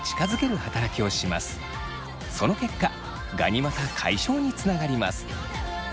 その結果ガニ股解消につながります。